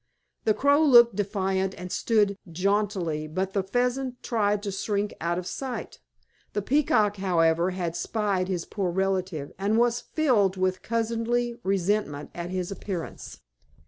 The Crow looked defiant and stood jauntily; but the Pheasant tried to shrink out of sight. The Peacock, however, had spied his poor relative, and was filled with cousinly resentment at his appearance.